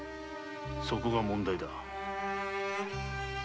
そこが問題だ。